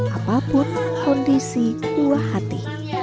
apapun kondisi tua hati